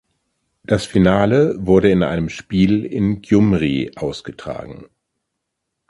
Das Finale wurde in einem Spiel in Gjumri ausgetragen.